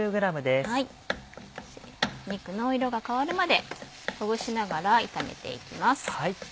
肉の色が変わるまでほぐしながら炒めていきます。